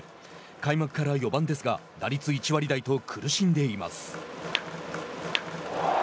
開幕から４番ですが打率１割台と苦しんでいます。